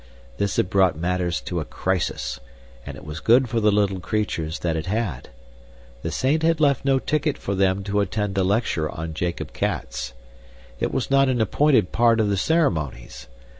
This had brought matters to a crisis, and it was good for the little creatures that it had. The saint had left no ticket for them to attend a lecture on Jakob Cats. It was not an appointed part of the ceremonies.